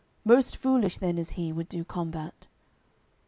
Most foolish then is he, would do combat."